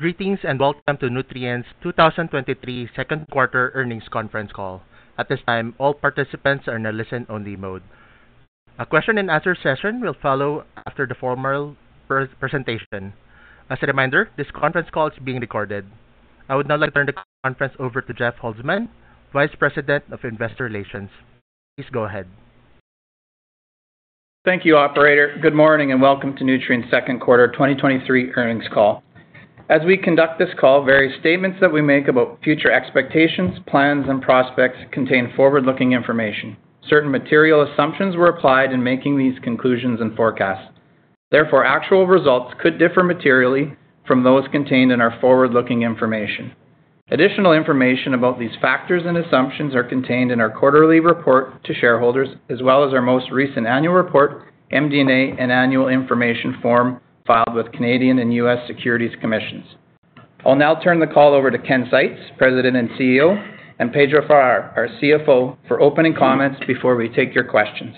Greetings, and welcome to Nutrien's 2023 Second Quarter Earnings Conference Call. At this time, all participants are in a listen-only mode. A question and answer session will follow after the formal presentation. As a reminder, this conference call is being recorded. I would now like to turn the conference over to Jeff Holzman, Vice President, Investor Relations. Please go ahead. Thank you, operator. Good morning, welcome to Nutrien's second quarter 2023 earnings call. As we conduct this call, various statements that we make about future expectations, plans, and prospects contain forward-looking information. Certain material assumptions were applied in making these conclusions and forecasts. Therefore, actual results could differ materially from those contained in our forward-looking information. Additional information about these factors and assumptions are contained in our quarterly report to shareholders, as well as our most recent annual report, MD&A, and annual information form filed with Canadian and U.S. Securities Commissions. I'll now turn the call over to Ken Seitz, President and CEO, and Pedro Farah, our CFO, for opening comments before we take your questions.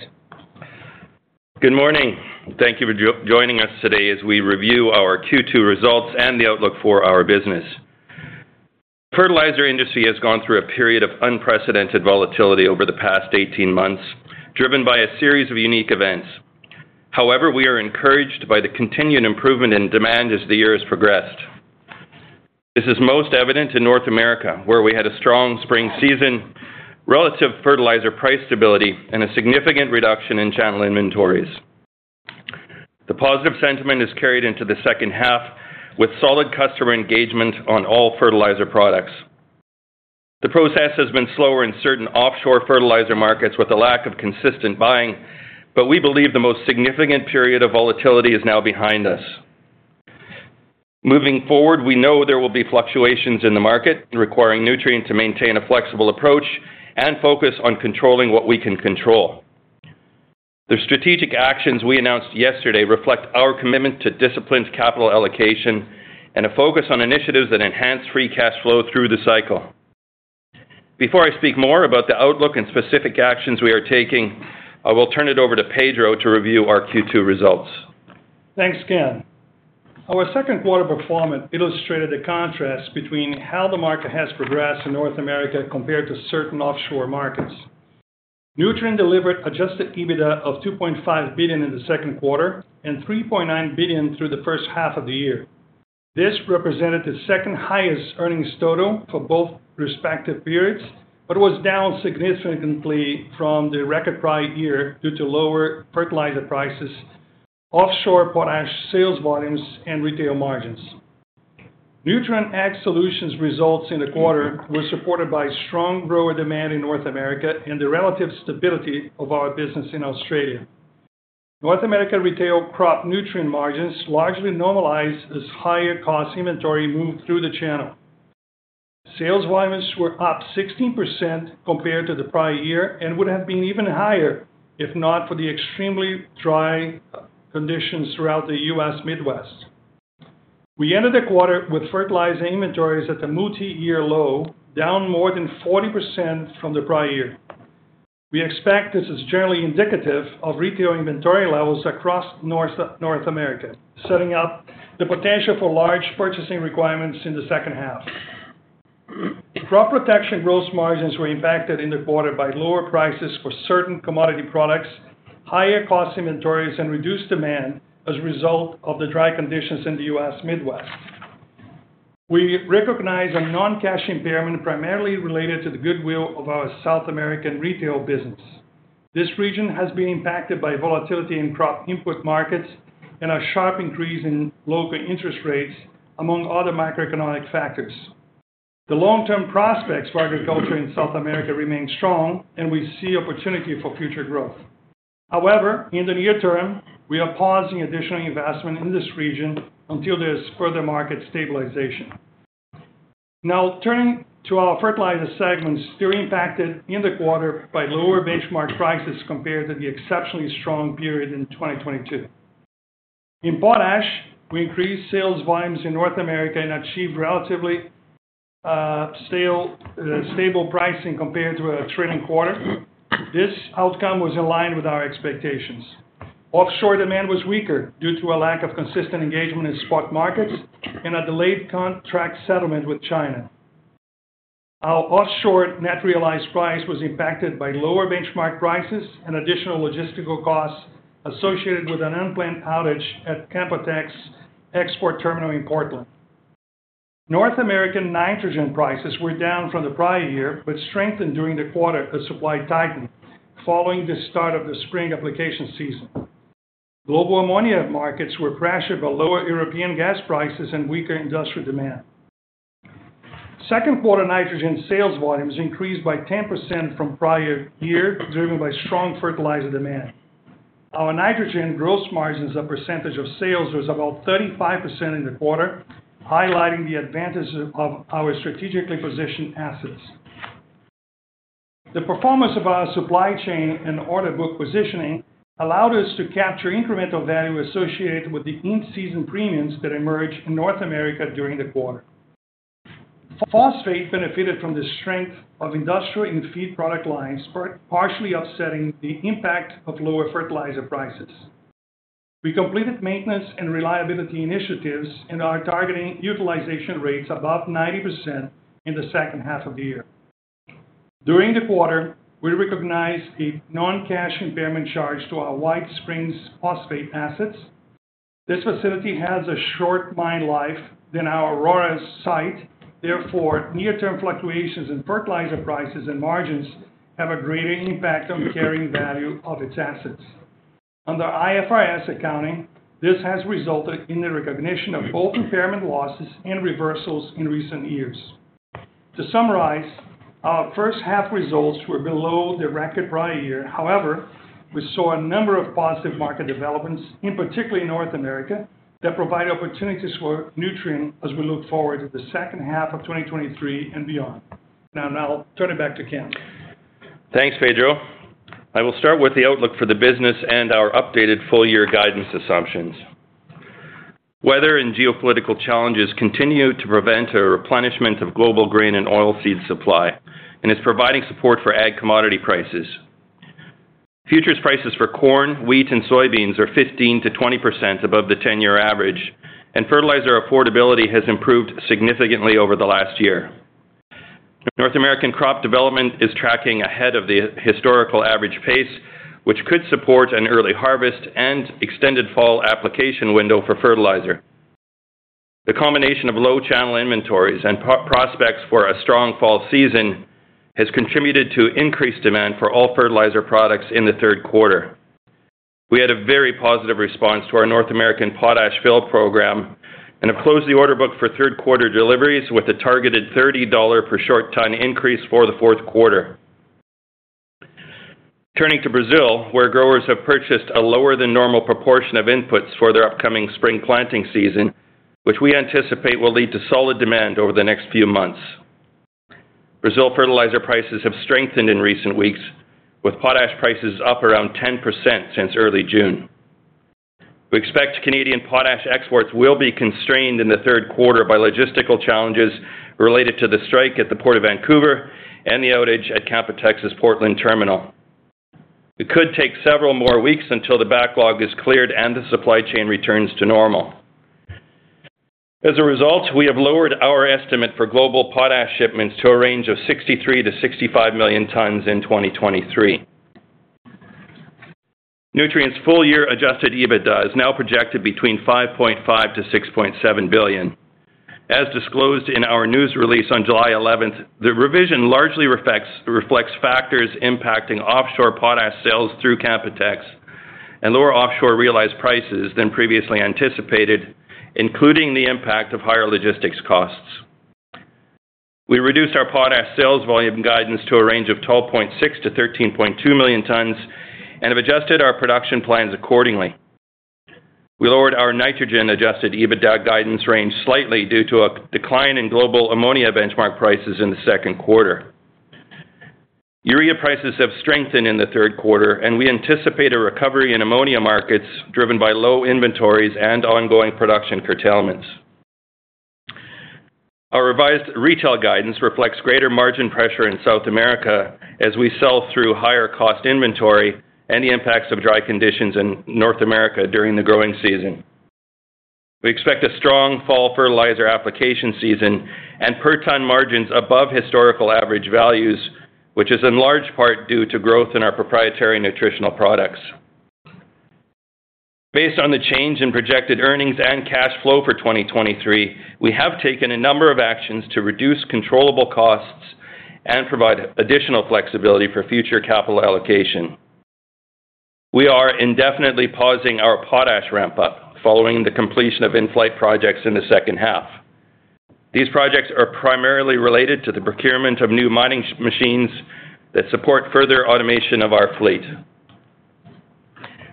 Good morning. Thank you for joining us today as we review our Q2 results and the outlook for our business. The fertilizer industry has gone through a period of unprecedented volatility over the past 18 months, driven by a series of unique events. However, we are encouraged by the continued improvement in demand as the year has progressed. This is most evident in North America, where we had a strong spring season, relative fertilizer price stability, and a significant reduction in channel inventories. The positive sentiment is carried into the second half, with solid customer engagement on all fertilizer products. The process has been slower in certain offshore fertilizer markets with a lack of consistent buying, but we believe the most significant period of volatility is now behind us. Moving forward, we know there will be fluctuations in the market, requiring Nutrien to maintain a flexible approach and focus on controlling what we can control. The strategic actions we announced yesterday reflect our commitment to disciplined capital allocation and a focus on initiatives that enhance free cash flow through the cycle. Before I speak more about the outlook and specific actions we are taking, I will turn it over to Pedro to review our Q2 results. Thanks, Ken. Our second quarter performance illustrated a contrast between how the market has progressed in North America compared to certain offshore markets. Nutrien delivered adjusted EBITDA of $2.5 billion in the second quarter and $3.9 billion through the first half of the year. This represented the second-highest earnings total for both respective periods, but was down significantly from the record prior year due to lower fertilizer prices, offshore potash sales volumes, and retail margins. Nutrien Ag Solutions results in the quarter were supported by strong grower demand in North America and the relative stability of our business in Australia. North America retail crop nutrient margins largely normalized as higher-cost inventory moved through the channel. Sales volumes were up 16% compared to the prior year and would have been even higher if not for the extremely dry conditions throughout the U.S. Midwest. We ended the quarter with fertilizer inventories at a multi-year low, down more than 40% from the prior year. We expect this is generally indicative of retail inventory levels across North America, setting up the potential for large purchasing requirements in the second half. Crop protection gross margins were impacted in the quarter by lower prices for certain commodity products, higher-cost inventories, and reduced demand as a result of the dry conditions in the U.S. Midwest. We recognized a non-cash impairment, primarily related to the goodwill of our South American retail business. This region has been impacted by volatility in crop input markets and a sharp increase in local interest rates, among other macroeconomic factors. The long-term prospects for agriculture in South America remain strong, and we see opportunity for future growth. However, in the near term, we are pausing additional investment in this region until there's further market stabilization. Turning to our fertilizer segments, they were impacted in the quarter by lower benchmark prices compared to the exceptionally strong period in 2022. In potash, we increased sales volumes in North America and achieved relatively stable pricing compared to a trading quarter. This outcome was in line with our expectations. Offshore demand was weaker due to a lack of consistent engagement in spot markets and a delayed contract settlement with China. Our offshore net realized price was impacted by lower benchmark prices and additional logistical costs associated with an unplanned outage at Canpotex export terminal in Portland. North American nitrogen prices were down from the prior year but strengthened during the quarter as supply tightened following the start of the spring application season. Global ammonia markets were pressured by lower European gas prices and weaker industrial demand. Second quarter nitrogen sales volumes increased by 10% from prior year, driven by strong fertilizer demand. Our nitrogen gross margins, as a percentage of sales, was about 35% in the quarter, highlighting the advantages of our strategically positioned assets. The performance of our supply chain and order book positioning allowed us to capture incremental value associated with the in-season premiums that emerged in North America during the quarter. Phosphate benefited from the strength of industrial and feed product lines, partially offsetting the impact of lower fertilizer prices. We completed maintenance and reliability initiatives and are targeting utilization rates above 90% in the second half of the year. During the quarter, we recognized a non-cash impairment charge to our White Springs phosphate assets. This facility has a short mine life than our Aurora site, therefore, near-term fluctuations in fertilizer prices and margins have a greater impact on the carrying value of its assets. Under IFRS accounting, this has resulted in the recognition of both impairment losses and reversals in recent years. To summarize, our first half results were below the record prior year. However, we saw a number of positive market developments, in particular North America, that provide opportunities for Nutrien as we look forward to the second half of 2023 and beyond. Now, I'll turn it back to Ken. Thanks, Pedro. I will start with the outlook for the business and our updated full year guidance assumptions. Weather and geopolitical challenges continue to prevent a replenishment of global grain and oilseed supply, and is providing support for ag commodity prices. Futures prices for corn, wheat, and soybeans are 15%-20% above the 10-year average, and fertilizer affordability has improved significantly over the last year. North American crop development is tracking ahead of the historical average pace, which could support an early harvest and extended fall application window for fertilizer. The combination of low channel inventories and prospects for a strong fall season has contributed to increased demand for all fertilizer products in the third quarter. We had a very positive response to our North American Potash Fill program and have closed the order book for third quarter deliveries with a targeted $30 per short ton increase for the fourth quarter. Turning to Brazil, where growers have purchased a lower than normal proportion of inputs for their upcoming spring planting season, which we anticipate will lead to solid demand over the next few months. Brazil fertilizer prices have strengthened in recent weeks, with potash prices up around 10% since early June. We expect Canadian potash exports will be constrained in the third quarter by logistical challenges related to the strike at the Port of Vancouver and the outage at Canpotex's Portland terminal. It could take several more weeks until the backlog is cleared and the supply chain returns to normal. As a result, we have lowered our estimate for global potash shipments to a range of 63 million-65 million tons in 2023. Nutrien's full-year adjusted EBITDA is now projected between $5.5 billion-$6.7 billion. As disclosed in our news release on July 11th, the revision largely reflects factors impacting offshore potash sales through Canpotex and lower offshore realized prices than previously anticipated, including the impact of higher logistics costs. We reduced our potash sales volume guidance to a range of 12.6 million-13.2 million tons and have adjusted our production plans accordingly. We lowered our nitrogen-adjusted EBITDA guidance range slightly due to a decline in global ammonia benchmark prices in the second quarter. Urea prices have strengthened in the third quarter, and we anticipate a recovery in ammonia markets driven by low inventories and ongoing production curtailments. Our revised retail guidance reflects greater margin pressure in South America as we sell through higher-cost inventory and the impacts of dry conditions in North America during the growing season. We expect a strong fall fertilizer application season and per ton margins above historical average values, which is in large part due to growth in our proprietary nutritional products. Based on the change in projected earnings and cash flow for 2023, we have taken a number of actions to reduce controllable costs and provide additional flexibility for future capital allocation. We are indefinitely pausing our potash ramp-up following the completion of in-flight projects in the second half. These projects are primarily related to the procurement of new mining machines that support further automation of our fleet.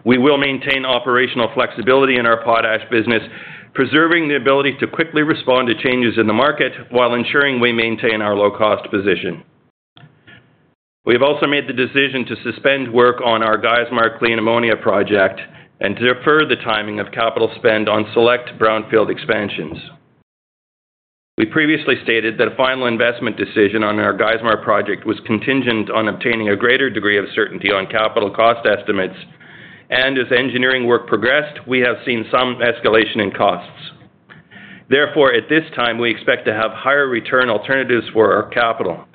We will maintain operational flexibility in our potash business, preserving the ability to quickly respond to changes in the market while ensuring we maintain our low-cost position. We have also made the decision to suspend work on our Geismar clean ammonia project and to defer the timing of capital spend on select brownfield expansions. We previously stated that a final investment decision on our Geismar project was contingent on obtaining a greater degree of certainty on capital cost estimates, and as engineering work progressed, we have seen some escalation in costs. Therefore, at this time, we expect to have higher return alternatives for our capital.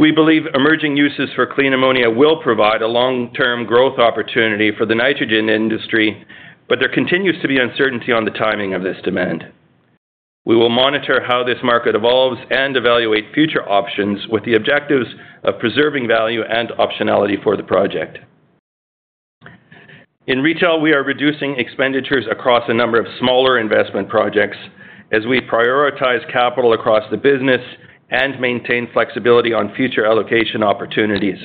We believe emerging uses for clean ammonia will provide a long-term growth opportunity for the nitrogen industry, but there continues to be uncertainty on the timing of this demand. We will monitor how this market evolves and evaluate future options with the objectives of preserving value and optionality for the project. In retail, we are reducing expenditures across a number of smaller investment projects as we prioritize capital across the business and maintain flexibility on future allocation opportunities.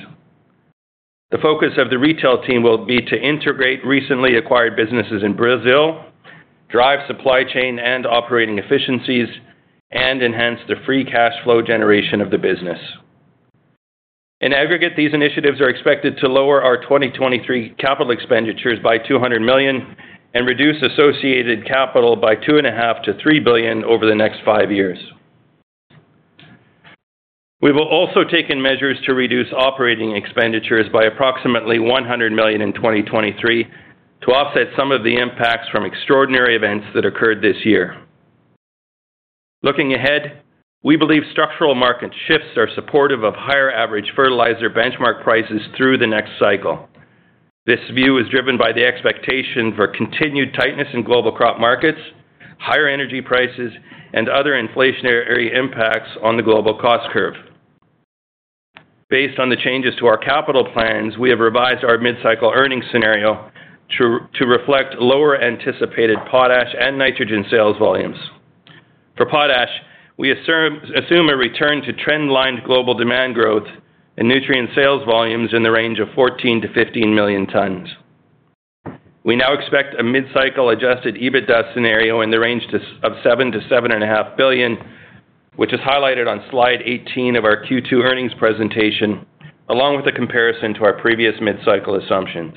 The focus of the retail team will be to integrate recently acquired businesses in Brazil, drive supply chain and operating efficiencies, and enhance the free cash flow generation of the business. In aggregate, these initiatives are expected to lower our 2023 capital expenditures by $200 million and reduce associated capital by $2.5 billion-$3 billion over the next five years. We will also taken measures to reduce operating expenditures by approximately $100 million in 2023 to offset some of the impacts from extraordinary events that occurred this year. Looking ahead, we believe structural market shifts are supportive of higher average fertilizer benchmark prices through the next cycle. This view is driven by the expectation for continued tightness in global crop markets, higher energy prices, and other inflationary impacts on the global cost curve. Based on the changes to our capital plans, we have revised our mid-cycle earnings scenario to reflect lower anticipated potash and nitrogen sales volumes. For potash, we assume a return to trend line global demand growth and Nutrien sales volumes in the range of 14 to 15 million tons. We now expect a mid-cycle adjusted EBITDA scenario in the range of $7 billion-$7.5 billion, which is highlighted on slide 18 of our Q2 earnings presentation, along with the comparison to our previous mid-cycle assumptions.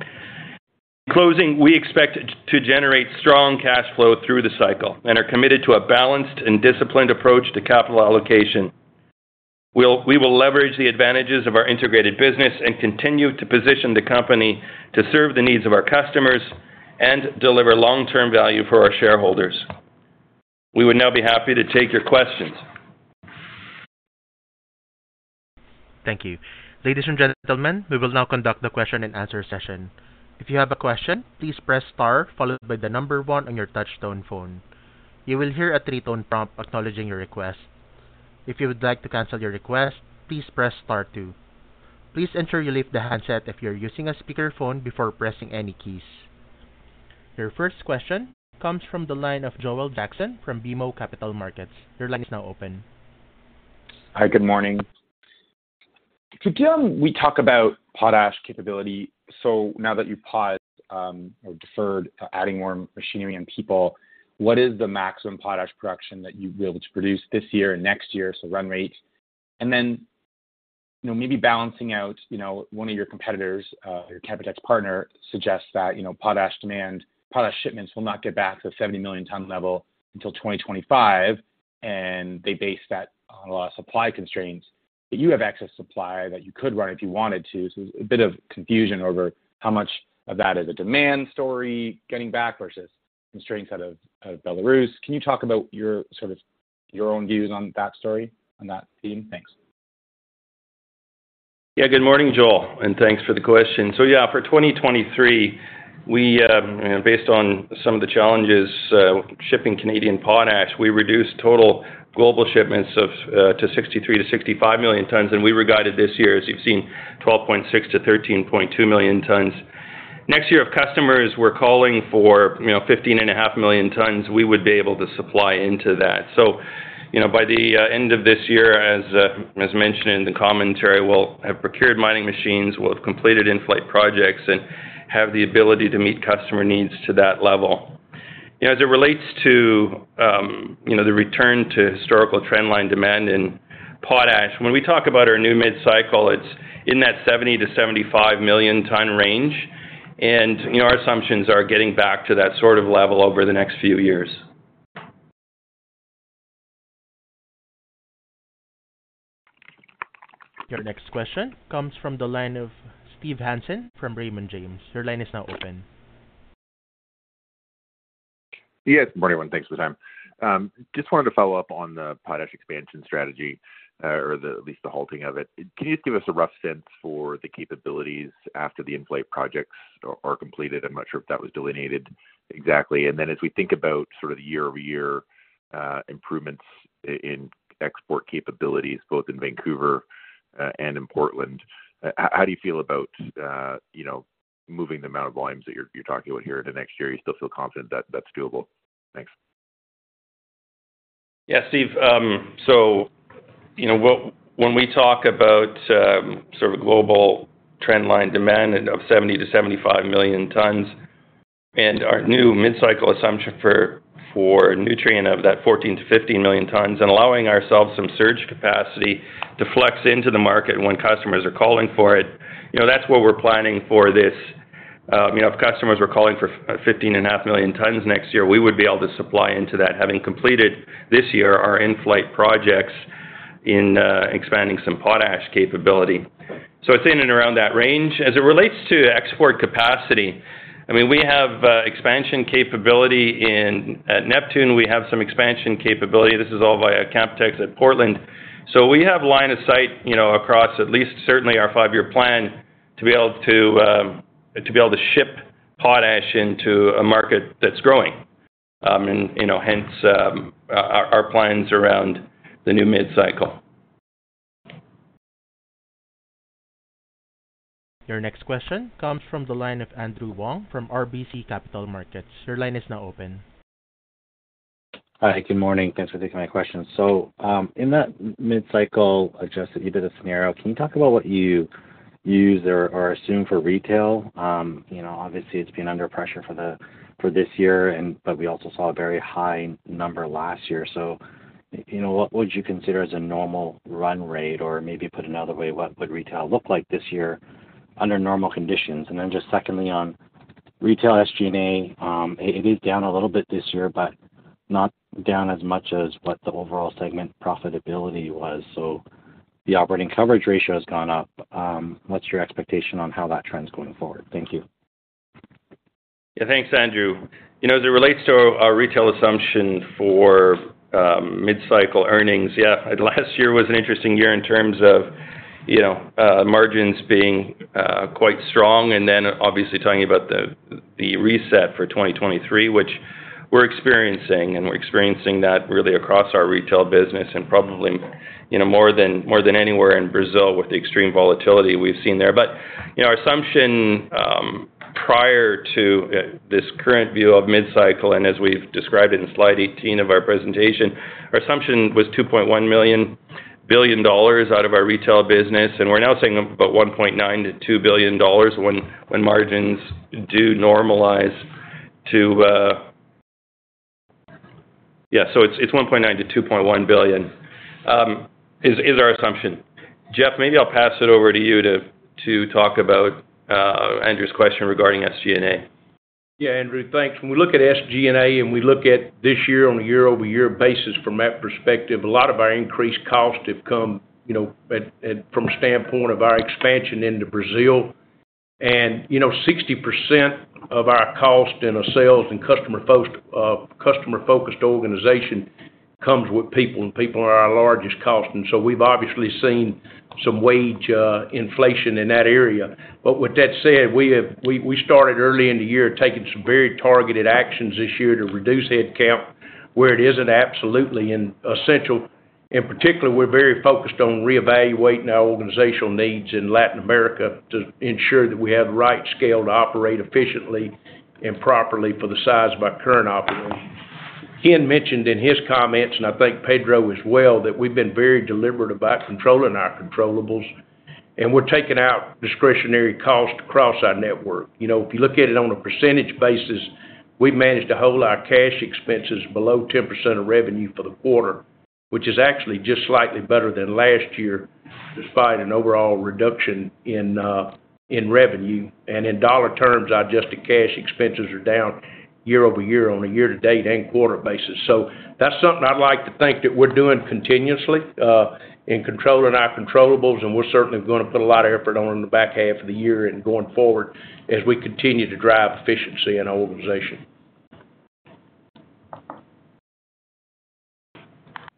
In closing, we expect to generate strong cash flow through the cycle and are committed to a balanced and disciplined approach to capital allocation. We will leverage the advantages of our integrated business and continue to position the company to serve the needs of our customers and deliver long-term value for our shareholders. We would now be happy to take your questions. Thank you. Ladies and gentlemen, we will now conduct the question-and-answer session. If you have a question, please press star, followed by the one on your touchtone phone. You will hear a three-tone prompt acknowledging your request. If you would like to cancel your request, please press star two. Please ensure you leave the handset if you're using a speakerphone, before pressing any keys. Your first question comes from the line of Joel Jackson from BMO Capital Markets. Your line is now open. Hi, good morning. Could you, we talk about potash capability. Now that you've paused, or deferred adding more machinery and people, what is the maximum potash production that you'll be able to produce this year and next year, so run rate? Then, you know, maybe balancing out, you know, one of your competitors, your Canpotex partner, suggests that, you know, potash demand, potash shipments will not get back to 70 million ton level until 2025, and they base that on a lot of supply constraints. You have excess supply that you could run if you wanted to. A bit of confusion over how much of that is a demand story getting back versus constraints out of, out of Belarus. Can you talk about your sort of, your own views on that story, on that theme? Thanks. Yeah, good morning, Joel, and thanks for the question. Yeah, for 2023, we based on some of the challenges shipping Canadian potash, we reduced total global shipments to 63 million-65 million tons, and we regarded this year, as you've seen, 12.6 million-13.2 million tons. Next year, if customers were calling for, you know, 15.5 million tons, we would be able to supply into that. You know, by the end of this year, as mentioned in the commentary, we'll have procured mining machines, we'll have completed in-flight projects, and have the ability to meet customer needs to that level. You know, as it relates to, you know, the return to historical trend line demand in potash, when we talk about our new mid-cycle, it's in that 70 million-75 million ton range, and, you know, our assumptions are getting back to that sort of level over the next few years. Your next question comes from the line of Steve Hansen from Raymond James. Your line is now open. Yeah, good morning, everyone. Thanks for the time. Just wanted to follow up on the potash expansion strategy, or the at least the halting of it. Can you just give us a rough sense for the capabilities after the in-flight projects are, are completed? I'm not sure if that was delineated exactly. As we think about sort of the year-over-year improvements in export capabilities, both in Vancouver and in Portland, how do you feel about, you know, moving the amount of volumes that you're, you're talking about here in the next year? You still feel confident that that's doable? Thanks. Yeah, Steve, so you know, when we talk about, sort of global trend line demand of 70 million-75 million tons and our new mid-cycle assumption for Nutrien of that 14 to 15 million tons, and allowing ourselves some surge capacity to flex into the market when customers are calling for it, you know, that's what we're planning for this. You know, if customers were calling for 15.5 million tons next year, we would be able to supply into that, having completed this year our in-flight projects in, expanding some potash capability. It's in and around that range. As it relates to export capacity, I mean, we have expansion capability in, at Neptune, we have some expansion capability. This is all via Canpotex at Portland. We have line of sight, you know, across at least certainly our five-year plan, to be able to, to be able to ship potash into a market that's growing. You know, hence, our, our plans around the new mid-cycle. Your next question comes from the line of Andrew Wong from RBC Capital Markets. Your line is now open. Hi, good morning. Thanks for taking my question. In that mid-cycle adjustment, you did a scenario. Can you talk about what you used or, or assumed for retail? You know, obviously, it's been under pressure for the, for this year and, we also saw a very high number last year. You know, what would you consider as a normal run rate? Maybe put another way, what would retail look like this year under normal conditions? Just secondly on retail SG&A, it is down a little bit this year, but not down as much as what the overall segment profitability was. The operating coverage ratio has gone up. What's your expectation on how that trend is going forward? Thank you. Thanks, Andrew. You know, as it relates to our retail assumption for mid-cycle earnings, yeah, last year was an interesting year in terms of, you know, margins being quite strong, and then obviously talking about the, the reset for 2023, which we're experiencing, and we're experiencing that really across our retail business and probably, you know, more than, more than anywhere in Brazil with the extreme volatility we've seen there. You know, our assumption prior to this current view of mid-cycle, and as we've described it in slide 18 of our presentation, our assumption was $2.1 billion out of our retail business, and we're now saying about $1.9 billion-$2 billion when, when margins do normalize to. It's, it's $1.9 billion-$2.1 billion, is, is our assumption. Jeff, maybe I'll pass it over to you to talk about Andrew's question regarding SG&A. Yeah, Andrew, thanks. When we look at SG&A, and we look at this year on a year-over-year basis, from that perspective, a lot of our increased costs have come, you know, from a standpoint of our expansion into Brazil. You know, 60% of our cost in a sales and customer-focused organization comes with people, and people are our largest cost. So we've obviously seen some wage inflation in that area. With that said, we started early in the year, taking some very targeted actions this year to reduce headcount where it isn't absolutely and essential. In particular, we're very focused on reevaluating our organizational needs in Latin America to ensure that we have the right scale to operate efficiently and properly for the size of our current operations. Ken mentioned in his comments, and I think Pedro as well, that we've been very deliberate about controlling our controllables, and we're taking out discretionary costs across our network. You know, if you look at it on a percentage basis, we've managed to hold our cash expenses below 10% of revenue for the quarter, which is actually just slightly better than last year, despite an overall reduction in revenue. In dollar terms, adjusted cash expenses are down year-over-year on a year-to-date and quarter basis. That's something I'd like to think that we're doing continuously in controlling our controllables, and we're certainly gonna put a lot of effort on in the back half of the year and going forward as we continue to drive efficiency in our organization.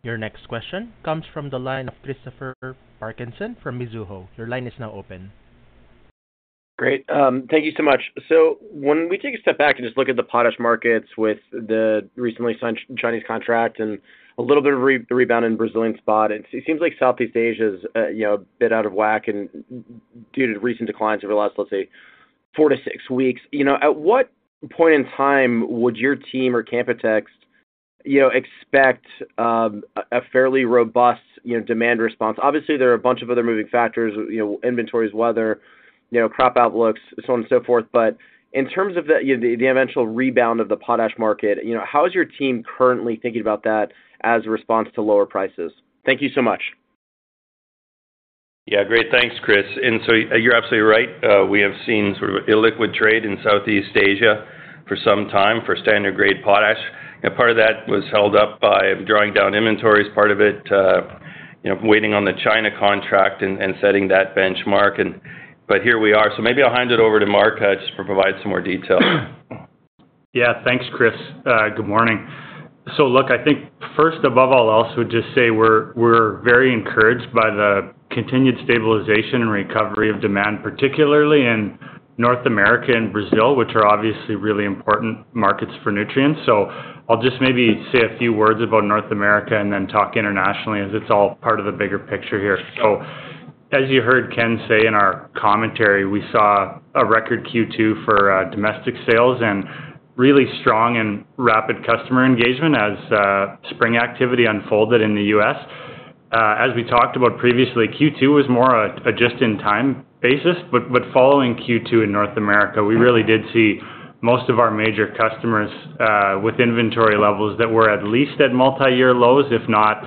Your next question comes from the line of Christopher Parkinson from Mizuho. Your line is now open. Great. Thank you so much. When we take a step back and just look at the potash markets with the recently signed Chinese contract and a little bit of re- rebound in Brazilian spot, it seems like Southeast Asia is, you know, a bit out of whack and due to recent declines over the last, let's say, four to six weeks. You know, at what point in time would your team or Canpotex, you know, expect a fairly robust, you know, demand response? Obviously, there are a bunch of other moving factors, you know, inventories, weather, you know, crop outlooks, so on and so forth. But in terms of the, you know, the eventual rebound of the potash market, you know, how is your team currently thinking about that as a response to lower prices? Thank you so much. Yeah, great. Thanks, Chris. You're absolutely right. We have seen sort of illiquid trade in Southeast Asia for some time for standard-grade potash. Part of that was held up by drawing down inventories, part of it, you know, waiting on the China contract and, and setting that benchmark. Here we are. Maybe I'll hand it over to Mark, just to provide some more detail. Yeah. Thanks, Chris. Good morning. Look, I think first, above all else, I would just say we're very encouraged by the continued stabilization and recovery of demand, particularly in North America and Brazil, which are obviously really important markets for Nutrien. I'll just maybe say a few words about North America and then talk internationally, as it's all part of the bigger picture here. As you heard Ken say in our commentary, we saw a record Q2 for domestic sales and really strong and rapid customer engagement as spring activity unfolded in the U.S. As we talked about previously, Q2 was more a just-in-time basis, following Q2 in North America, we really did see most of our major customers with inventory levels that were at least at multiyear lows, if not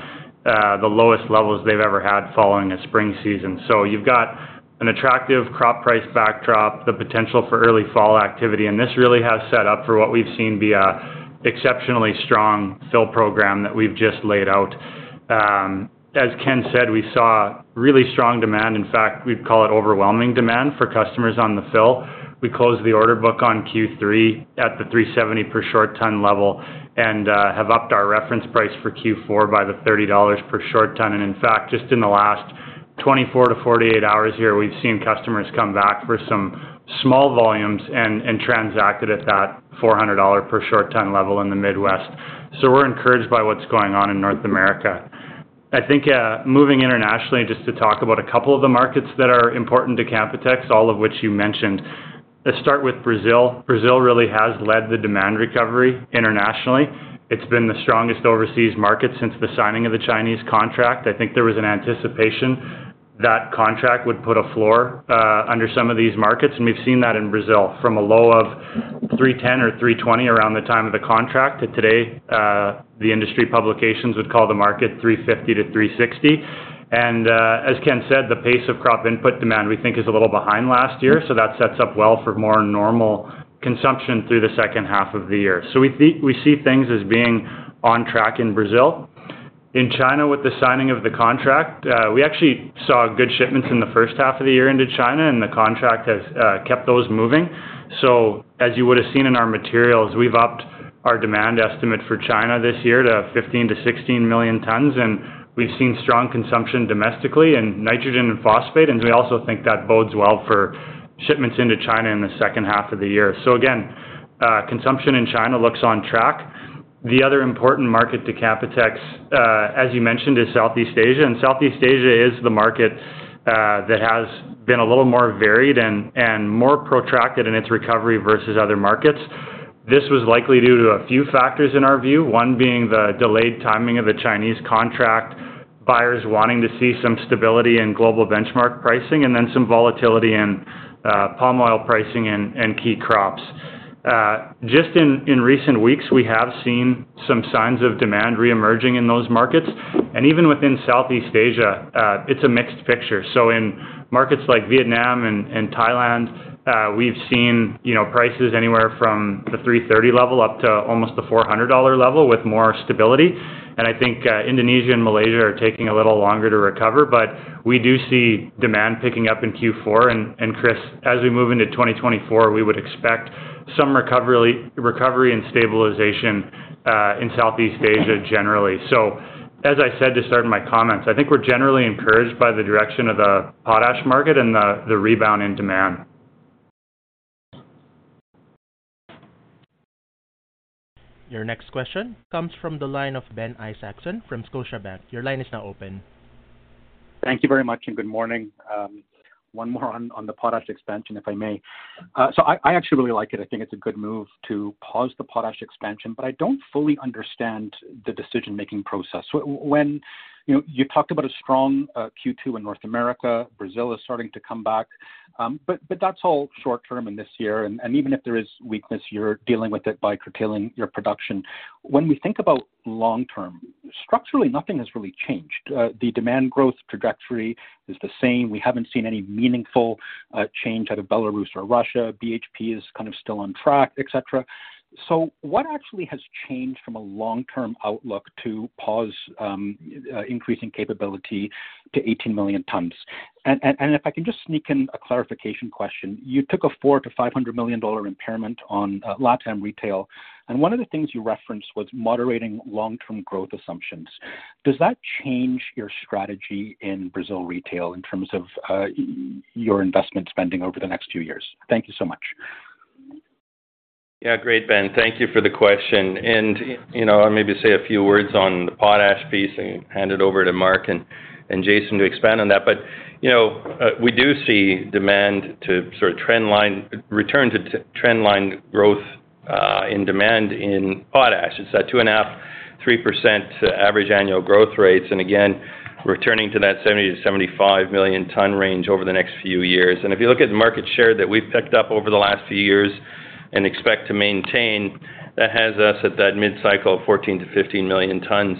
the lowest levels they've ever had following a spring season. You've got an attractive crop price backdrop, the potential for early fall activity, and this really has set up for what we've seen be a exceptionally strong fill program that we've just laid out. As Ken said, we saw really strong demand. In fact, we'd call it overwhelming demand for customers on the fill. We closed the order book on Q3 at the $370 per short ton level and have upped our reference price for Q4 by the $30 per short ton. In fact, just in the last 24-48 hours here, we've seen customers come back for some small volumes and, and transacted at that $400 per short ton level in the Midwest. We're encouraged by what's going on in North America. I think, moving internationally, just to talk about a couple of the markets that are important to Campotex, all of which you mentioned. Let's start with Brazil. Brazil really has led the demand recovery internationally. It's been the strongest overseas market since the signing of the Chinese contract. I think there was an anticipation that contract would put a floor under some of these markets, and we've seen that in Brazil from a low of $310 or $320 around the time of the contract. To today, the industry publications would call the market $350-$360. As Ken said, the pace of crop input demand, we think is a little behind last year, so that sets up well for more normal consumption through the second half of the year. We we see things as being on track in Brazil. In China, with the signing of the contract, we actually saw good shipments in the first half of the year into China, and the contract has kept those moving. As you would have seen in our materials, we've upped our demand estimate for China this year to 15 million-16 million tons, and we've seen strong consumption domestically in nitrogen and phosphate. We also think that bodes well for shipments into China in the second half of the year. Again, consumption in China looks on track. The other important market to Canpotex, as you mentioned, is Southeast Asia. Southeast Asia is the market that has been a little more varied and more protracted in its recovery versus other markets. This was likely due to a few factors in our view. One being the delayed timing of the Chinese contract, buyers wanting to see some stability in global benchmark pricing, and then some volatility in palm oil pricing and key crops. Just in recent weeks, we have seen some signs of demand reemerging in those markets, and even within Southeast Asia, it's a mixed picture. In markets like Vietnam and Thailand, we've seen, you know, prices anywhere from the $330 level up to almost the $400 level with more stability. I think, Indonesia and Malaysia are taking a little longer to recover, but we do see demand picking up in Q4. Chris, as we move into 2024, we would expect some recovery and stabilization in Southeast Asia generally. As I said to start my comments, I think we're generally encouraged by the direction of the potash market and the, the rebound in demand. Your next question comes from the line of Ben Isaacson from Scotiabank. Your line is now open. Thank you very much, and good morning. One more on, on the potash expansion, if I may. I actually really like it. I think it's a good move to pause the potash expansion, but I don't fully understand the decision-making process. When, you know, you talked about a strong Q2 in North America, Brazil is starting to come back, that's all short term in this year. Even if there is weakness, you're dealing with it by curtailing your production. When we think about long term, structurally, nothing has really changed. The demand growth trajectory is the same. We haven't seen any meaningful change out of Belarus or Russia. BHP is kind of still on track, et cetera. What actually has changed from a long-term outlook to pause increasing capability to 18 million tons? If I can just sneak in a clarification question. You took a $400 million-$500 million impairment on Latam retail, and one of the things you referenced was moderating long-term growth assumptions. Does that change your strategy in Brazil retail in terms of your investment spending over the next two years? Thank you so much. Yeah. Great, Ben. Thank you for the question. You know, I'll maybe say a few words on the potash piece and hand it over to Mark and Jason to expand on that. You know, we do see demand to sort of trendline return to trendline growth in demand in potash. It's that 2.5%-3% average annual growth rates, and again, returning to that 70 million-75 million ton range over the next few years. If you look at the market share that we've picked up over the last few years and expect to maintain, that has us at that mid-cycle of 14 million-15 million tons.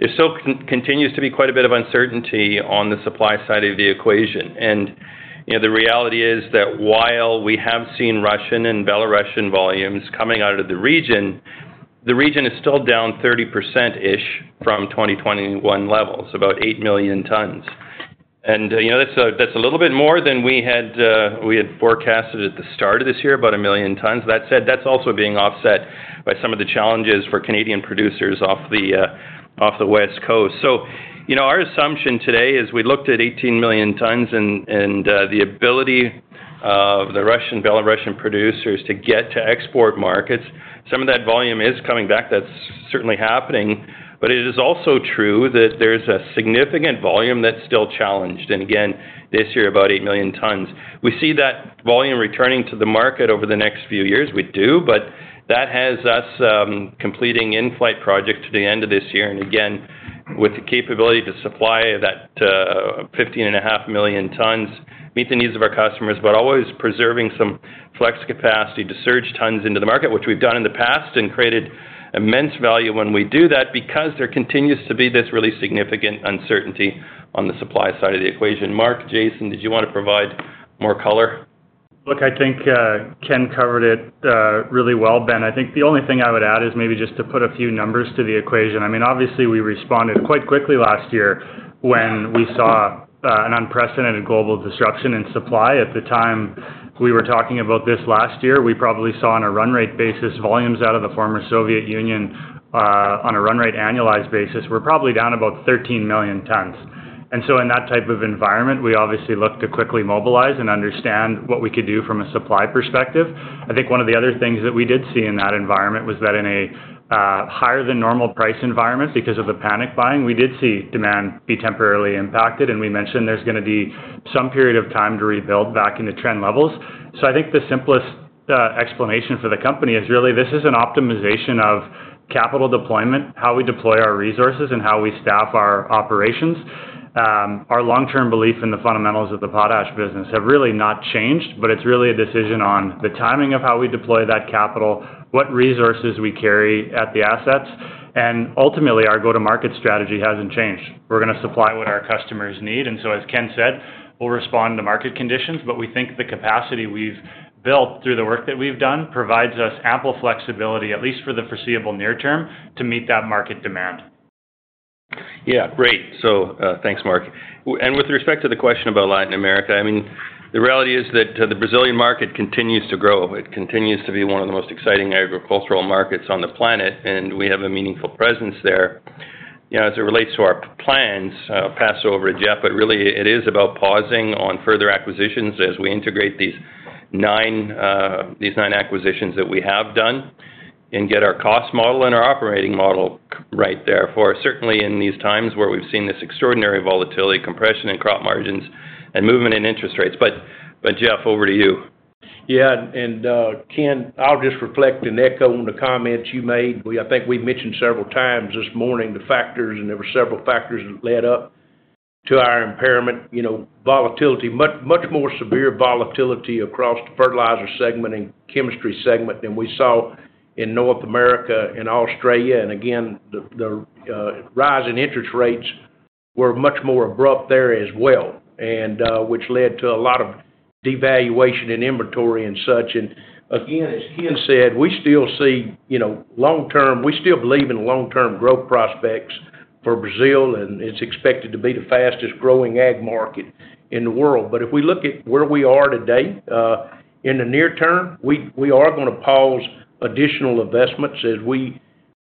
There still continues to be quite a bit of uncertainty on the supply side of the equation. You know, the reality is that while we have seen Russian and Belarusian volumes coming out of the region, the region is still down 30%-ish from 2021 levels, about 8 million tons. You know, that's a little bit more than we had forecasted at the start of this year, about 1 million tons. That said, that's also being offset by some of the challenges for Canadian producers off the West Coast. You know, our assumption today is we looked at 18 million tons and the ability of the Russian, Belarusian producers to get to export markets. Some of that volume is coming back, that's certainly happening, but it is also true that there's a significant volume that's still challenged. Again, this year, about 8 million tons. We see that volume returning to the market over the next few years. We do. That has us completing in-flight projects to the end of this year, and again, with the capability to supply that 15.5 million tons, meet the needs of our customers, but always preserving some flex capacity to surge tons into the market, which we've done in the past and created immense value when we do that, because there continues to be this really significant uncertainty on the supply side of the equation. Mark, Jason, did you want to provide more color? Look, I think Ken covered it really well, Ben. I think the only thing I would add is maybe just to put a few numbers to the equation. I mean, obviously, we responded quite quickly last year when we saw an unprecedented global disruption in supply. At the time, we were talking about this last year, we probably saw on a run rate basis, volumes out of the former Soviet Union, on a run rate annualized basis, we're probably down about 13 million tons. So in that type of environment, we obviously looked to quickly mobilize and understand what we could do from a supply perspective. I think one of the other things that we did see in that environment was that in a higher than normal price environment, because of the panic buying, we did see demand be temporarily impacted. We mentioned there's gonna be some period of time to rebuild back into trend levels. I think the simplest explanation for the company is really this is an optimization of capital deployment, how we deploy our resources, and how we staff our operations. Our long-term belief in the fundamentals of the potash business have really not changed, but it's really a decision on the timing of how we deploy that capital, what resources we carry at the assets, and ultimately, our go-to-market strategy hasn't changed. We're gonna supply what our customers need, and so, as Ken said, we'll respond to market conditions, but we think the capacity we've built through the work that we've done provides us ample flexibility, at least for the foreseeable near term, to meet that market demand. Yeah, great. Thanks, Mark. With respect to the question about Latin America, I mean, the reality is that the Brazilian market continues to grow. It continues to be one of the most exciting agricultural markets on the planet, and we have a meaningful presence there. You know, as it relates to our plans, pass over to Jeff, but really, it is about pausing on further acquisitions as we integrate these nine acquisitions that we have done and get our cost model and our operating model right there, for certainly in these times where we've seen this extraordinary volatility, compression in crop margins, and movement in interest rates. Jeff, over to you. Yeah, Ken, I'll just reflect and echo on the comments you made. I think we've mentioned several times this morning the factors, and there were several factors that led up to our impairment. You know, volatility, much, much more severe volatility across the fertilizer segment and chemistry segment than we saw in North America and Australia. Again, the, the rise in interest rates were much more abrupt there as well, which led to a lot of devaluation in inventory and such. Again, as Ken said, we still see, you know, long term, we still believe in the long-term growth prospects for Brazil, and it's expected to be the fastest-growing ag market in the world. If we look at where we are today, in the near term, we, we are gonna pause additional investments as we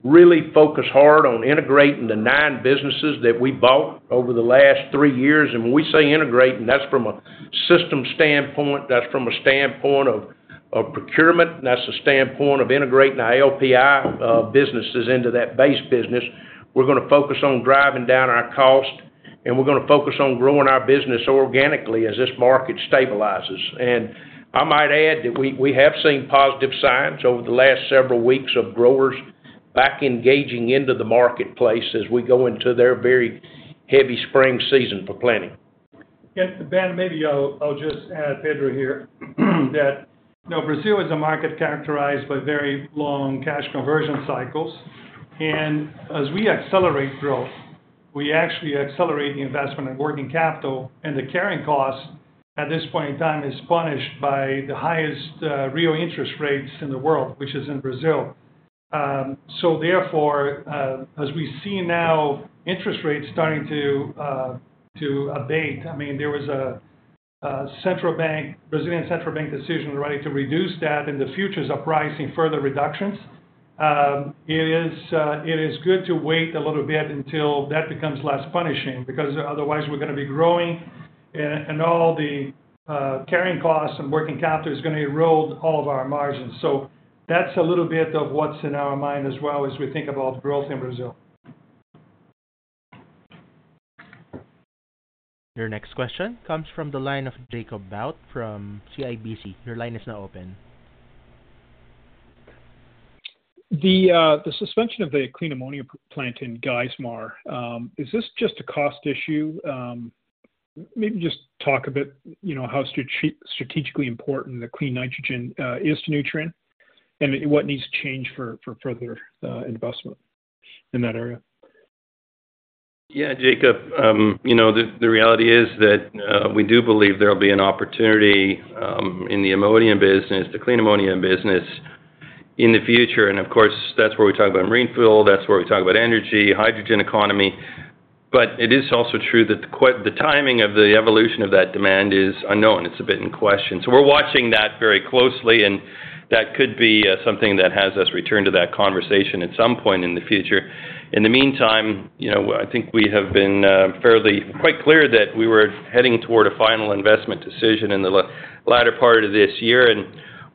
really focus hard on integrating the nine businesses that we bought over the last three years. When we say integrating, that's from a system standpoint, that's from a standpoint of, of procurement, and that's the standpoint of integrating the LPI businesses into that base business. We're gonna focus on driving down our cost, and we're gonna focus on growing our business organically as this market stabilizes. I might add that we, we have seen positive signs over the last several weeks of growers back engaging into the marketplace as we go into their very heavy spring season for planting. Yes, Ben, maybe I'll, I'll just add, Pedro here, that, you know, Brazil is a market characterized by very long cash conversion cycles, and as we accelerate growth, we actually accelerate the investment in working capital, and the carrying cost at this point in time is punished by the highest real interest rates in the world, which is in Brazil. Therefore, as we see now, interest rates starting to abate, I mean, there was a central bank, Brazilian central bank decision already to reduce that, and the future is uprising further reductions. It is good to wait a little bit until that becomes less punishing because otherwise we're gonna be growing, and all the carrying costs and working capital is gonna erode all of our margins. That's a little bit of what's in our mind as well, as we think about growth in Brazil. Your next question comes from the line of Jacob Bout from CIBC. Your line is now open. The, the suspension of the clean ammonia plant in Geismar, is this just a cost issue? Maybe just talk a bit, you know, how strategically important the clean nitrogen, is to Nutrien and what needs to change for further investment in that area. Yeah, Jacob, you know, the reality is that we do believe there will be an opportunity in the ammonium business, the clean ammonium business, in the future. Of course, that's where we talk about green fuel, that's where we talk about energy, hydrogen economy. It is also true that the timing of the evolution of that demand is unknown. It's a bit in question. We're watching that very closely, and that could be something that has us return to that conversation at some point in the future. In the meantime, you know, I think we have been fairly quite clear that we were heading toward a final investment decision in the latter part of this year and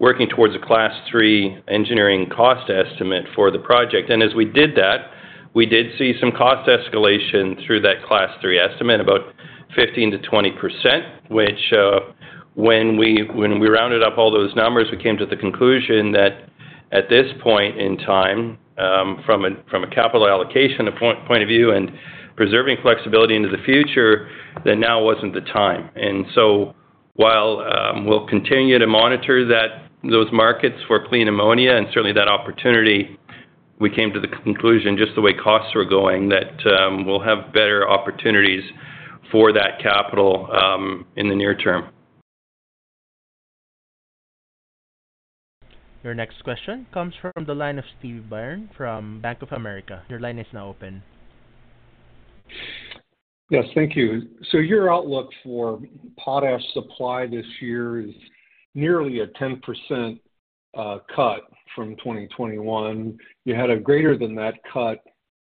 working towards a Class Three engineering cost estimate for the project. As we did that, we did see some cost escalation through that Class Three estimate, about 15%-20%, which, when we, when we rounded up all those numbers, we came to the conclusion that at this point in time, from a, from a capital allocation point of view and preserving flexibility into the future, that now wasn't the time. While, we'll continue to monitor those markets for clean ammonia and certainly that opportunity, we came to the conclusion, just the way costs were going, that, we'll have better opportunities for that capital, in the near term. Your next question comes from the line of Steve Byrne from Bank of America. Your line is now open. Yes, thank you. Your outlook for potash supply this year is nearly a 10% cut from 2021. You had a greater than that cut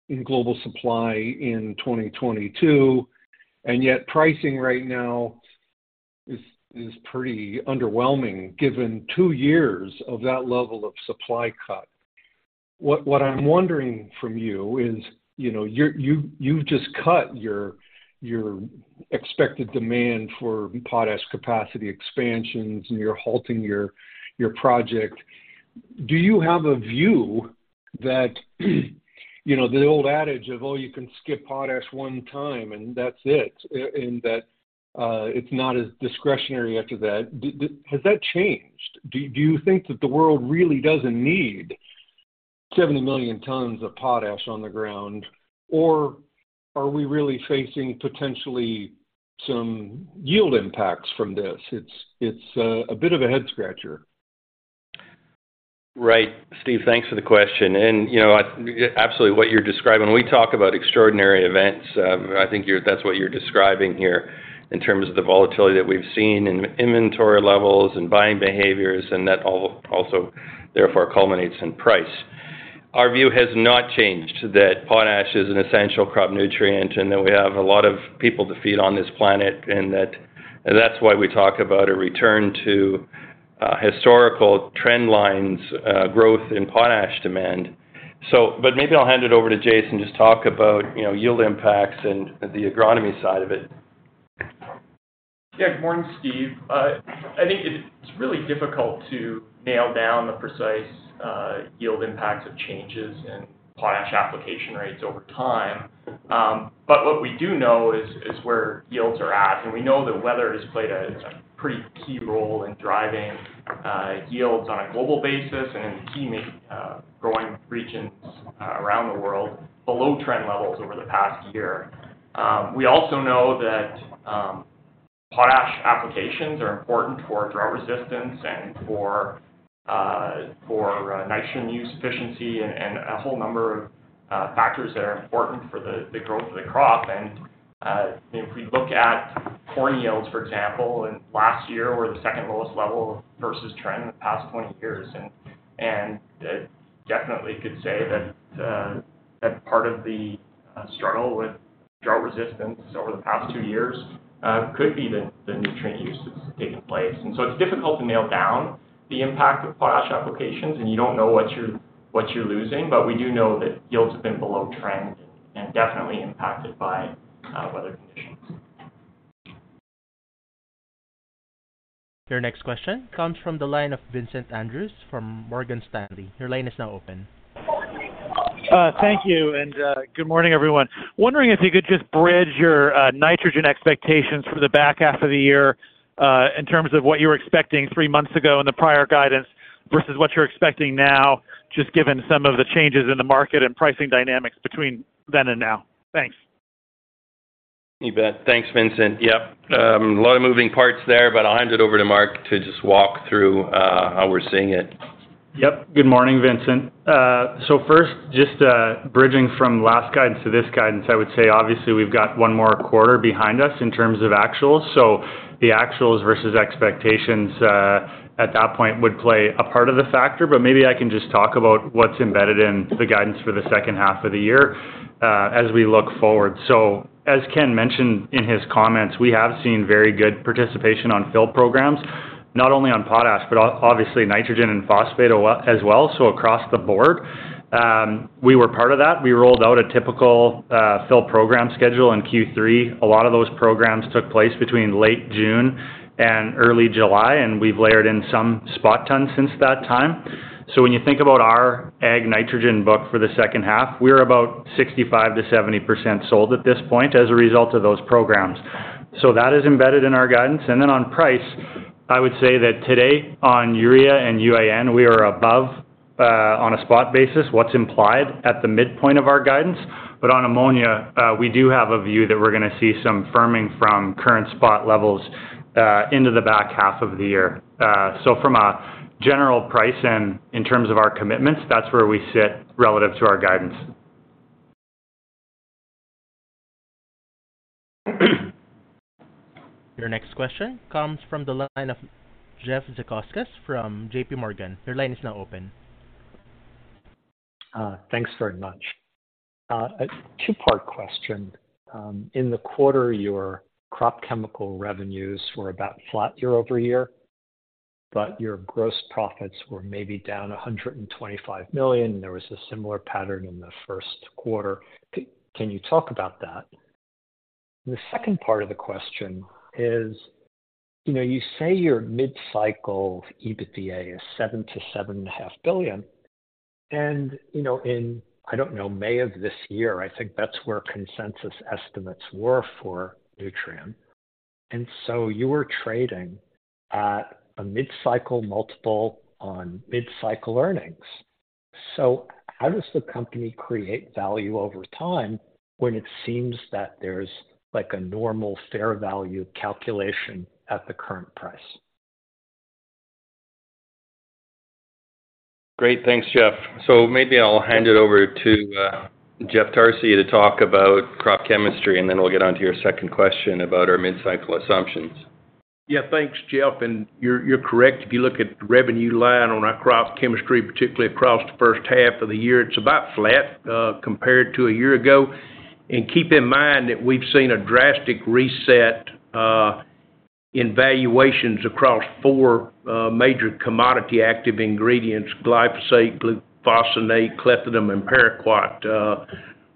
in global supply in 2022, and yet pricing right now is, is pretty underwhelming, given two years of that level of supply cut. What, what I'm wondering from you is, you know, you've, you've just cut your, your expected demand for potash capacity expansions, and you're halting your, your project. Do you have a view that, you know, the old adage of, oh, you can skip potash one time, and that's it, and that it's not as discretionary after that. Has that changed? Do you think that the world really doesn't need 70 million tons of potash on the ground? Or are we really facing potentially some yield impacts from this? It's a bit of a head scratcher. Right. Steve, thanks for the question. You know, absolutely, what you're describing, we talk about extraordinary events. I think that's what you're describing here in terms of the volatility that we've seen in inventory levels and buying behaviors, and that also therefore culminates in price. Our view has not changed, that potash is an essential crop nutrient and that we have a lot of people to feed on this planet, and that's why we talk about a return to historical trend lines, growth in potash demand. Maybe I'll hand it over to Jason to just talk about, you know, yield impacts and the agronomy side of it. Yeah, good morning, Steve. I think it's really difficult to nail down the precise yield impacts of changes in potash application rates over time. What we do know is, is where yields are at, and we know that weather has played a pretty key role in driving yields on a global basis and in key growing regions around the world below trend levels over the past year. We also know that potash applications are important for drought resistance and for nitrogen use efficiency and a whole number of factors that are important for the growth of the crop. If we look at corn yields, for example, and last year were the second lowest level versus trend in the past 20 years, and definitely could say that part of the struggle with drought resistance over the past two years could be the nutrient uses taking place. It's difficult to nail down the impact of potash applications, and you don't know what you're losing, but we do know that yields have been below trend and definitely impacted by weather conditions. Your next question comes from the line of Vincent Andrews from Morgan Stanley. Your line is now open. Thank you, and good morning, everyone. Wondering if you could just bridge your nitrogen expectations for the back half of the year, in terms of what you were expecting three months ago in the prior guidance versus what you're expecting now, just given some of the changes in the market and pricing dynamics between then and now. Thanks. You bet. Thanks, Vincent. Yep, a lot of moving parts there, but I'll hand it over to Mark to just walk through, how we're seeing it. Yep. Good morning, Vincent. First, just bridging from last guidance to this guidance, I would say, obviously, we've got one more quarter behind us in terms of actuals. The actuals versus expectations at that point would play a part of the factor, but maybe I can just talk about what's embedded in the guidance for the second half of the year as we look forward. As Ken mentioned in his comments, we have seen very good participation on fill programs, not only on potash, but obviously, nitrogen and phosphate as well, so across the board. We were part of that. We rolled out a typical fill program schedule in Q3. A lot of those programs took place between late June and early July, and we've layered in some spot tons since that time. When you think about our ag nitrogen book for the second half, we're about 65%-70% sold at this point as a result of those programs. That is embedded in our guidance. Then on price, I would say that today, on urea and UAN, we are above on a spot basis, what's implied at the midpoint of our guidance. On ammonia, we do have a view that we're gonna see some firming from current spot levels into the back half of the year. From a general price and in terms of our commitments, that's where we sit relative to our guidance. Your next question comes from the line of Jeff Zekauskas from J.P. Morgan. Your line is now open. Thanks very much. A two-part question. In the quarter, your crop chemical revenues were about flat year-over-year, but your gross profits were maybe down $125 million, and there was a similar pattern in the first quarter. Can you talk about that? The second part of the question is, you know, you say your mid-cycle EBITDA is $7 billion-$7.5 billion, and, you know, in, I don't know, May of this year, I think that's where consensus estimates were for Nutrien. So you were trading at a mid-cycle multiple on mid-cycle earnings. How does the company create value over time when it seems that there's like a normal fair value calculation at the current price? Great. Thanks, Jeff. Maybe I'll hand it over to, Jeff Tarsi to talk about crop chemistry, and then we'll get on to your second question about our mid-cycle assumptions. Yeah, thanks, Jeff. You're, you're correct. If you look at the revenue line on our crop chemistry, particularly across the first half of the year, it's about flat compared to a year ago. Keep in mind that we've seen a drastic reset in valuations across four major commodity active ingredients, glyphosate, glufosinate, clethodim, and paraquat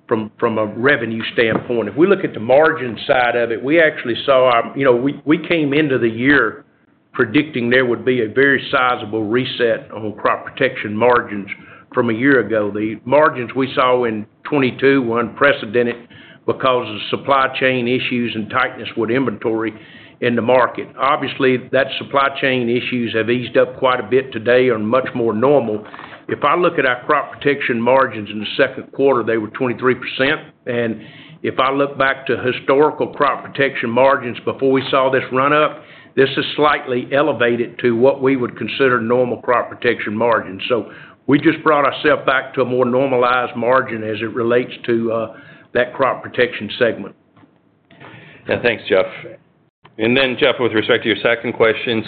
from, from a revenue standpoint. If we look at the margin side of it, we actually saw our, you know, we, we came into the year predicting there would be a very sizable reset on crop protection margins from a year ago. The margins we saw in 2022 were unprecedented because of supply chain issues and tightness with inventory in the market. Obviously, that supply chain issues have eased up quite a bit today, are much more normal. If I look at our crop protection margins in the second quarter, they were 23%, if I look back to historical crop protection margins before we saw this run up, this is slightly elevated to what we would consider normal crop protection margins. We just brought ourselves back to a more normalized margin as it relates to that crop protection segment. Thanks, Jeff. Jeff, with respect to your second question: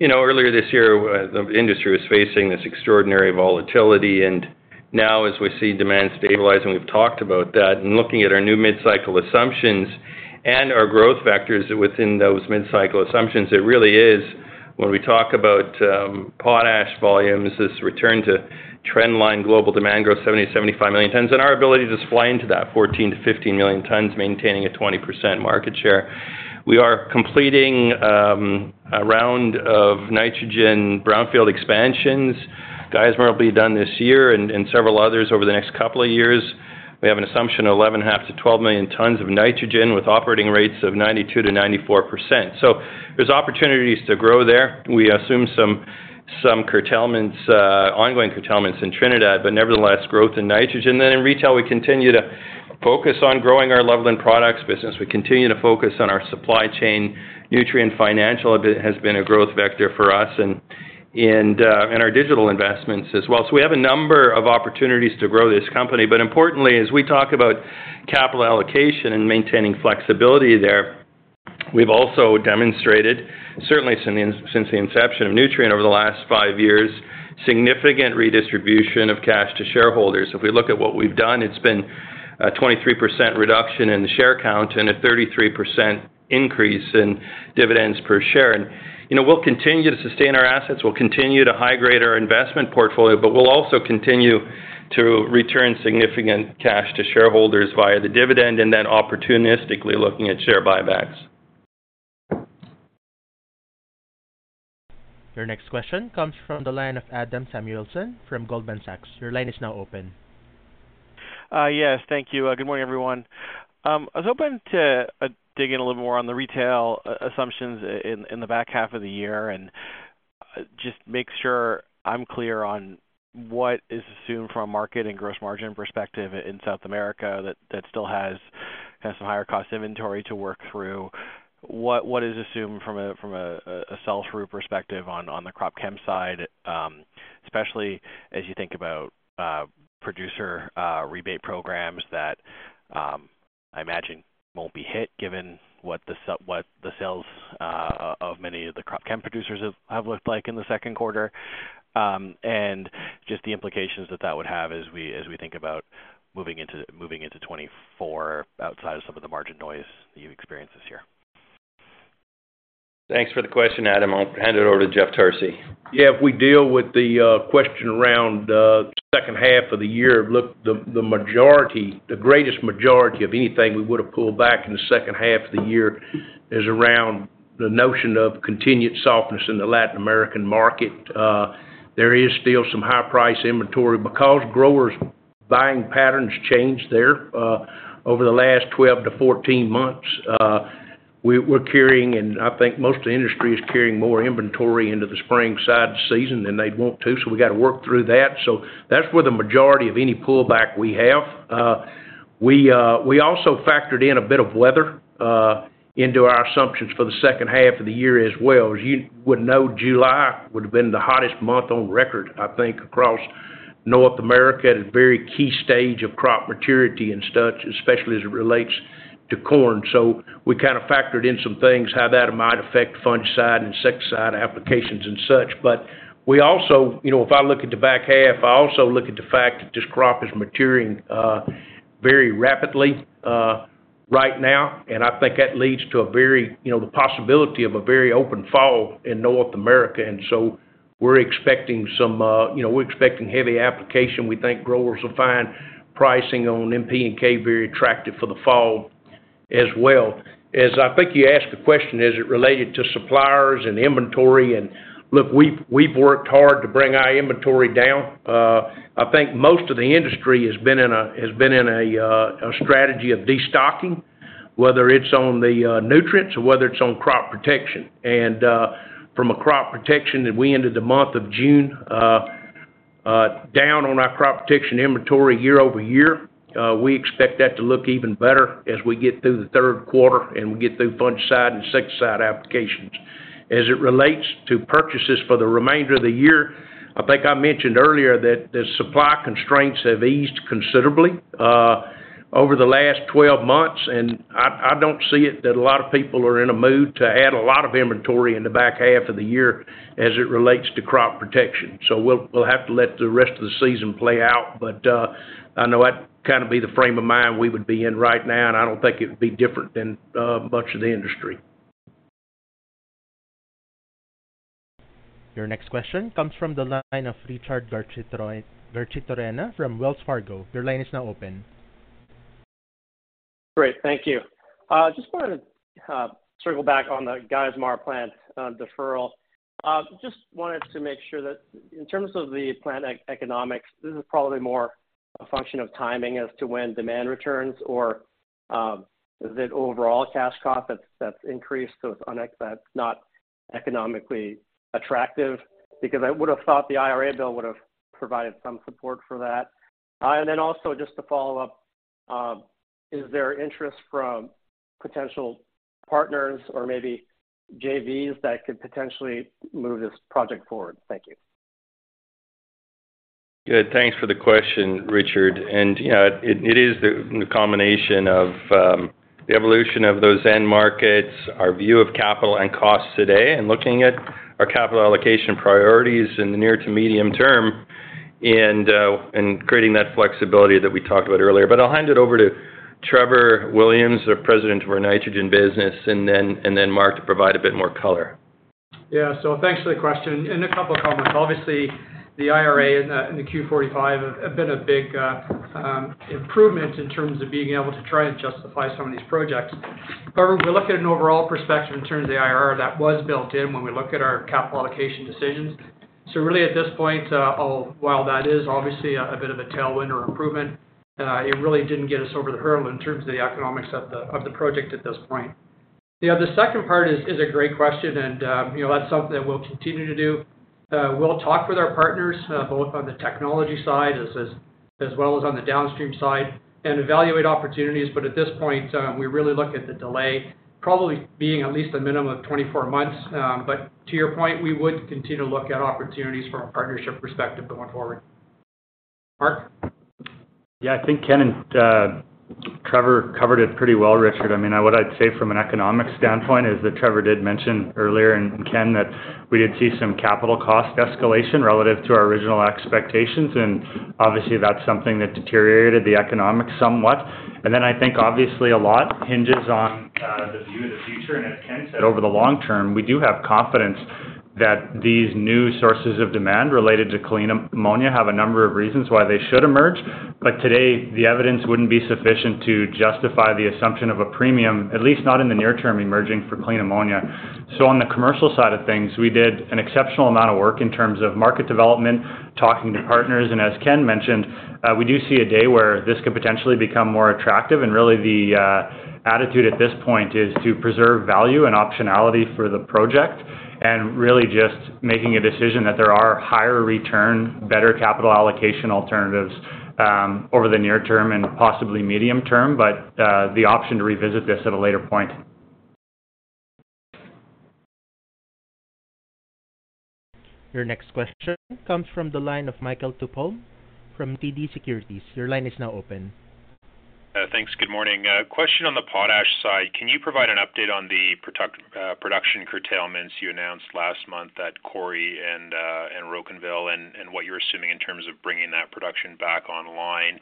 you know, earlier this year, the industry was facing this extraordinary volatility, and now, as we see demand stabilizing, we've talked about that, and looking at our new mid-cycle assumptions and our growth vectors within those mid-cycle assumptions, it really is when we talk about potash volumes, this return to trend line global demand growth, 70 million-75 million tons, and our ability to supply into that 14 million-15 million tons, maintaining a 20% market share. We are completing a round of nitrogen brownfield expansions. Geismar will be done this year and several others over the next couple of years. We have an assumption of 11.5 million-12 million tons of nitrogen, with operating rates of 92%-94%. There's opportunities to grow there. We assume some, some curtailments, ongoing curtailments in Trinidad, nevertheless, growth in nitrogen. In retail, we continue to focus on growing our Loveland Products business. We continue to focus on our supply chain. Nutrien Financial has been, has been a growth vector for us and, and our digital investments as well. We have a number of opportunities to grow this company. Importantly, as we talk about capital allocation and maintaining flexibility there, we've also demonstrated, certainly since the, since the inception of Nutrien over the last five years, significant redistribution of cash to shareholders. If we look at what we've done, it's been a 23% reduction in the share count and a 33% increase in dividends per share. You know, we'll continue to sustain our assets, we'll continue to high-grade our investment portfolio, but we'll also continue to return significant cash to shareholders via the dividend and then opportunistically looking at share buybacks. Your next question comes from the line of Adam Samuelson from Goldman Sachs. Your line is now open. Yes, thank you. Good morning, everyone. I was hoping to dig in a little more on the retail assumptions in the back half of the year and just make sure I'm clear on what is assumed from a market and gross margin perspective in South America, that still has some higher cost inventory to work through. What is assumed from a sell-through perspective on the crop chem side, especially as you think about producer rebate programs that I imagine won't be hit, given what the sales of many of the crop chem producers have looked like in the Second Quarter, and just the implications that that would have as we think about moving into 2024, outside of some of the margin noise that you've experienced this year. Thanks for the question, Adam. I'll hand it over to Jeff Tarsi. If we deal with the question around the second half of the year, look, the majority, the greatest majority of anything we would have pulled back in the second half of the year is around the notion of continued softness in the Latin American market. There is still some high-price inventory because growers' buying patterns changed there over the last 12 to 14 months. We're, we're carrying, and I think most of the industry is carrying more inventory into the spring side season than they'd want to, so we got to work through that. That's where the majority of any pullback we have. We, we also factored in a bit of weather into our assumptions for the second half of the year as well. As you would know, July would have been the hottest month on record, I think, across North America at a very key stage of crop maturity and such, especially as it relates to corn. We kind of factored in some things, how that might affect fungicide and insecticide applications and such. We also, you know, if I look at the back half, I also look at the fact that this crop is maturing very rapidly right now, and I think that leads to a very, you know, the possibility of a very open fall in North America. We're expecting some, you know, we're expecting heavy application. We think growers will find pricing on MP&K very attractive for the fall as well. As I think you asked the question, is it related to suppliers and inventory? Look, we've, we've worked hard to bring our inventory down. I think most of the industry has been in a, has been in a, a strategy of destocking, whether it's on the, nutrients or whether it's on crop protection. From a crop protection, and we ended the month of June, down on our crop protection inventory year-over-year. We expect that to look even better as we get through the third quarter, and we get through fungicide and insecticide applications. As it relates to purchases for the remainder of the year, I think I mentioned earlier that the supply constraints have eased considerably, over the last 12 months, and I, I don't see it that a lot of people are in a mood to add a lot of inventory in the back half of the year as it relates to crop protection. So we'll, we'll have to let the rest of the season play out. I know that'd kind of be the frame of mind we would be in right now, and I don't think it would be different than much of the industry. Your next question comes from the line of Richard Garchitorena from Wells Fargo. Your line is now open. Great, thank you. Just wanted to circle back on the Geismar plant deferral. Just wanted to make sure that in terms of the plant economics, this is probably more a function of timing as to when demand returns, or, is it overall cash cost that's increased, so it's not economically attractive? I would have thought the IRA bill would have provided some support for that. Also just to follow up, is there interest from potential partners or maybe JVs that could potentially move this project forward? Thank you. Good. Thanks for the question, Richard. Yeah, it, it is the, the combination of the evolution of those end markets, our view of capital and costs today, and looking at our capital allocation priorities in the near to medium term, and creating that flexibility that we talked about earlier. I'll hand it over to Trevor Williams, the President of our nitrogen business, and then, and then Mark to provide a bit more color. Yeah. Thanks for the question, and a couple of comments. Obviously, the IRA and the, and the Q45 have been a big improvement in terms of being able to try and justify some of these projects. However, we look at an overall perspective in terms of the IRR that was built in when we look at our capital allocation decisions. Really, at this point, while that is obviously a bit of a tailwind or improvement, it really didn't get us over the hurdle in terms of the economics of the project at this point. Yeah, the second part is, is a great question, and, you know, that's something that we'll continue to do. We'll talk with our partners, both on the technology side, as well as on the downstream side, and evaluate opportunities. At this point, we really look at the delay probably being at least a minimum of 24 months. To your point, we would continue to look at opportunities from a partnership perspective going forward. Mark? Yeah, I think Ken and Trevor covered it pretty well, Richard. I mean, what I'd say from an economic standpoint is that Trevor did mention earlier, and Ken, that we did see some capital cost escalation relative to our original expectations, obviously that's something that deteriorated the economics somewhat. Then I think, obviously, a lot hinges on the view of the future. As Ken said, over the long term, we do have confidence that these new sources of demand related to clean ammonia have a number of reasons why they should emerge. Today, the evidence wouldn't be sufficient to justify the assumption of a premium, at least not in the near term, emerging for clean ammonia. On the commercial side of things, we did an exceptional amount of work in terms of market development, talking to partners. As Ken mentioned, we do see a day where this could potentially become more attractive. Really, the attitude at this point is to preserve value and optionality for the project, and really just making a decision that there are higher return, better capital allocation alternatives, over the near term and possibly medium term, but the option to revisit this at a later point. Your next question comes from the line of Michael Tupholme from TD Securities. Your line is now open. Thanks. Good morning. Question on the potash side. Can you provide an update on the production curtailments you announced last month at Cory and Rocanville, and what you're assuming in terms of bringing that production back online?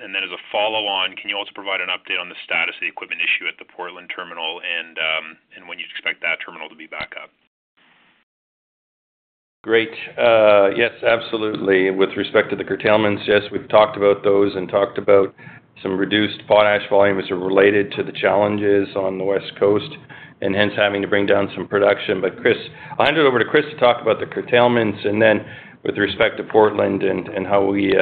Then as a follow-on, can you also provide an update on the status of the equipment issue at the Portland terminal and when you expect that terminal to be back up? Great. Yes, absolutely. With respect to the curtailments, yes, we've talked about those and talked about some reduced potash volumes related to the challenges on the West Coast, and hence having to bring down some production. Chris, I'll hand it over to Chris to talk about the curtailments, and then with respect to Portland and, and how we,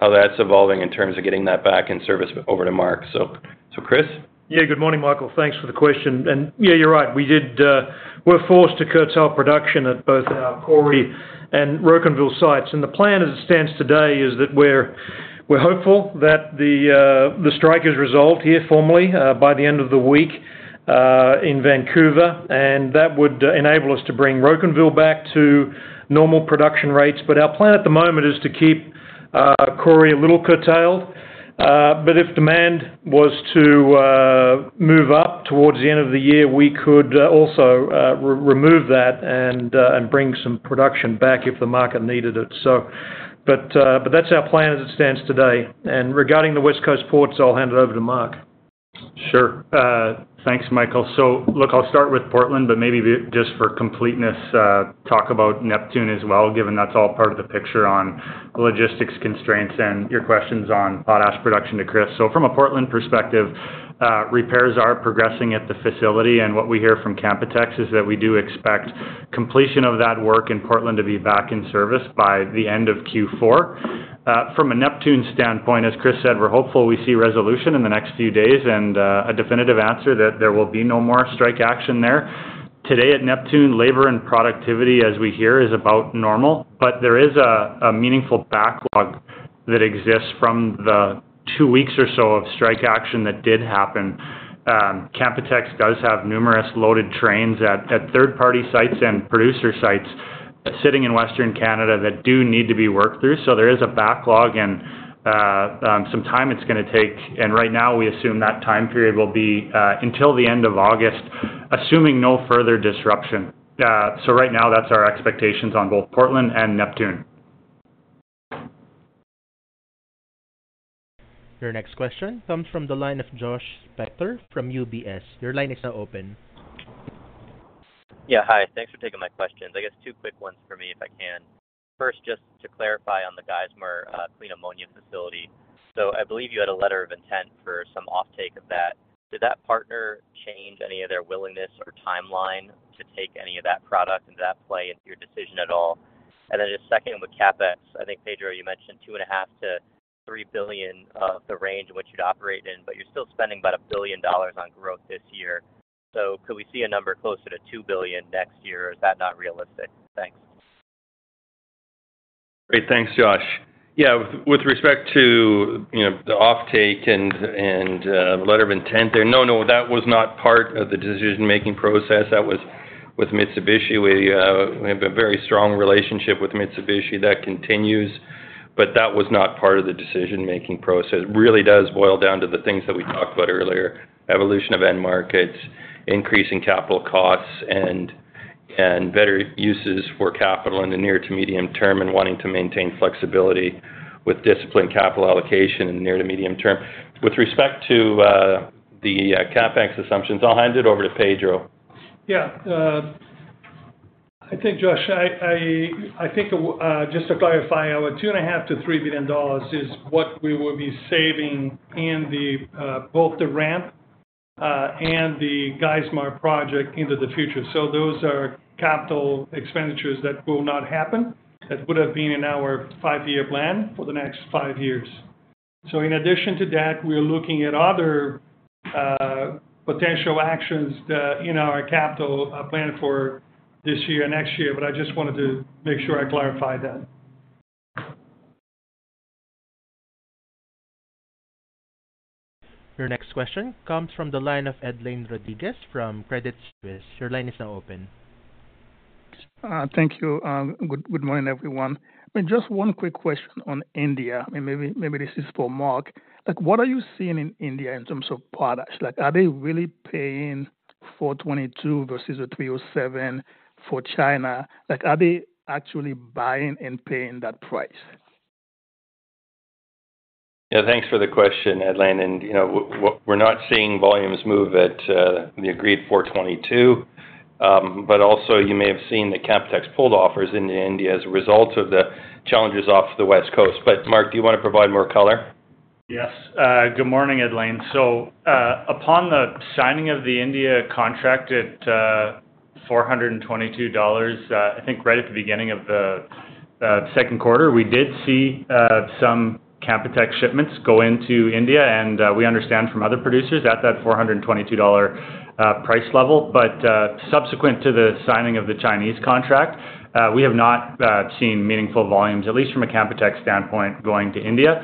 how that's evolving in terms of getting that back in service, over to Mark. So, Chris? Yeah, good morning, Michael. Thanks for the question. Yeah, you're right. We did... We're forced to curtail production at both our Cory and Rocanville sites. The plan as it stands today, is that we're, we're hopeful that the strike is resolved here formally by the end of the week in Vancouver, and that would enable us to bring Rocanville back to normal production rates. Our plan at the moment is to keep Cory a little curtailed. But if demand was to move up towards the end of the year, we could also remove that and bring some production back if the market needed it. That's our plan as it stands today. Regarding the West Coast ports, I'll hand it over to Mark. Sure. Thanks, Michael. look, I'll start with Portland, but maybe just for completeness, talk about Neptune as well, given that's all part of the picture on logistics constraints and your questions on potash production to Chris. From a Portland perspective, repairs are progressing at the facility, and what we hear from Canpotex is that we do expect completion of that work in Portland to be back in service by the end of Q4. From a Neptune standpoint, as Chris said, we're hopeful we see resolution in the next few days and a definitive answer that there will be no more strike action there. Today at Neptune, labor and productivity as we hear, is about normal, but there is a meaningful backlog that exists from the two weeks or so of strike action that did happen. Canpotex does have numerous loaded trains at, at third-party sites and producer sites sitting in Western Canada that do need to be worked through. There is a backlog and some time it's gonna take, and right now we assume that time period will be until the end of August, assuming no further disruption. Right now that's our expectations on both Portland and Neptune. Your next question comes from the line of Josh Spector from UBS. Your line is now open. Yeah, hi. Thanks for taking my questions. I guess two quick ones for me, if I can. First, just to clarify on the Geismar clean ammonia facility. I believe you had a letter of intent for some offtake of that. Did that partner change any of their willingness or timeline to take any of that product into that play, into your decision at all? Just second, with CapEx, I think, Pedro, you mentioned $2.5 billion-$3 billion of the range in which you'd operate in, but you're still spending about $1 billion on growth this year. Could we see a number closer to $2 billion next year, or is that not realistic? Thanks. Great. Thanks, Josh. Yeah, with, with respect to, you know, the offtake and, and the letter of intent there, no, no, that was not part of the decision-making process. That was with Mitsubishi. We, we have a very strong relationship with Mitsubishi that continues, but that was not part of the decision-making process. It really does boil down to the things that we talked about earlier: evolution of end markets, increasing capital costs, and, and better uses for capital in the near to medium term, and wanting to maintain flexibility with disciplined capital allocation in the near to medium term. With respect to the CapEx assumptions, I'll hand it over to Pedro. Yeah, I think, Josh, I think, just to clarify, our $2.5 billion-$3 billion is what we will be saving in the, both the ramp, and the Geismar project into the future. Those are CapEx that will not happen. That would have been in our five-year plan for the next five years. In addition to that, we're looking at other, potential actions that in our capital plan for this year and next year. I just wanted to make sure I clarified that. Your next question comes from the line of Edlain Rodriguez from Credit Suisse. Your line is now open. Thank you. Good, good morning, everyone. Just one quick question on India, and maybe this is for Mark. Like, what are you seeing in India in terms of potash? Like, are they really paying $422 versus a $307 for China? Like, are they actually buying and paying that price? Yeah, thanks for the question, Edlain. You know, we're not seeing volumes move at the agreed $422. Also, you may have seen the Canpotex pulled offers in India as a result of the challenges off the West Coast. Mark, do you want to provide more color? Yes. Good morning, Edlain. Upon the signing of the India contract at $422, I think right at the beginning of the second quarter, we did see some Canpotex shipments go into India, and we understand from other producers at that $422 price level. Subsequent to the signing of the Chinese contract, we have not seen meaningful volumes, at least from a Canpotex standpoint, going to India.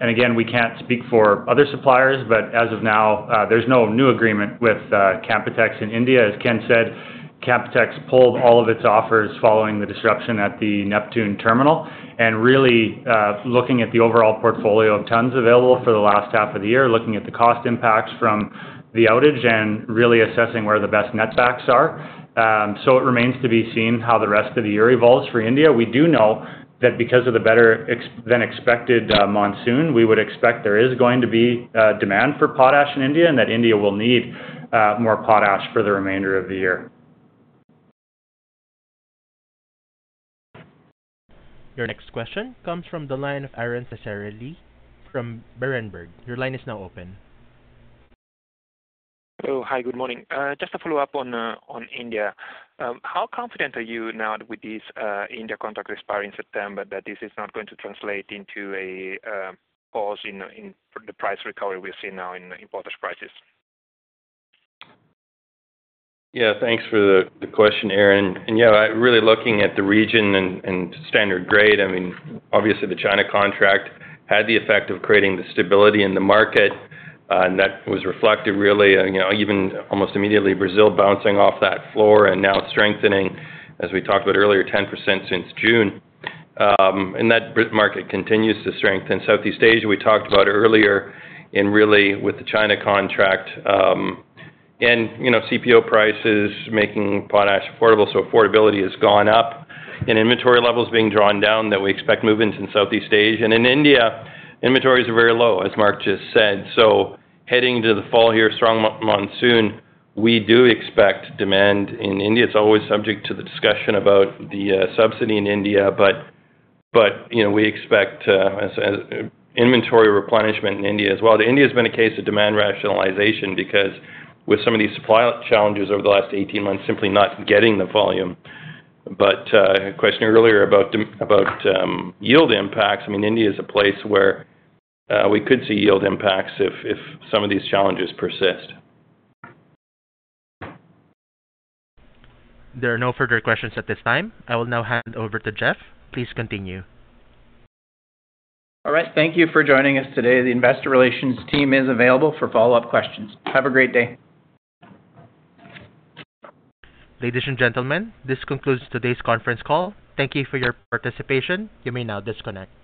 Again, we can't speak for other suppliers, but as of now, there's no new agreement with Canpotex in India. As Ken said, Canpotex pulled all of its offers following the disruption at the Neptune terminal. Really, looking at the overall portfolio of tons available for the last half of the year, looking at the cost impacts from the outage and really assessing where the best netbacks are. It remains to be seen how the rest of the year evolves for India. We do know that because of the better than expected monsoon, we would expect there is going to be demand for potash in India, and that India will need more potash for the remainder of the year. Your next question comes from the line of Aron Ceccarelli from Berenberg. Your line is now open. Hello. Hi, good morning. Just a follow-up on, on India. How confident are you now with this India contract expiring in September, that this is not going to translate into a pause in, in the price recovery we're seeing now in, in potash prices? Yeah, thanks for the question, Aron. Yeah, really looking at the region and standard grade, I mean, obviously the China contract had the effect of creating the stability in the market, and that was reflected really, you know, even almost immediately, Brazil bouncing off that floor and now strengthening, as we talked about earlier, 10% since June. That market continues to strengthen. Southeast Asia, we talked about earlier, and really with the China contract, and, you know, CPO prices making potash affordable, so affordability has gone up and inventory levels being drawn down, that we expect movement in Southeast Asia. In India, inventories are very low, as Mark just said. Heading into the fall here, strong monsoon, we do expect demand in India. It's always subject to the discussion about the subsidy in India, but you know, we expect as, as inventory replenishment in India as well. India has been a case of demand rationalization because with some of these supply challenges over the last 18 months, simply not getting the volume. Question earlier about yield impacts, I mean, India is a place where we could see yield impacts if, if some of these challenges persist. There are no further questions at this time. I will now hand over to Jeff. Please continue. All right. Thank you for joining us today. The investor relations team is available for follow-up questions. Have a great day. Ladies and gentlemen, this concludes today's conference call. Thank you for your participation. You may now disconnect.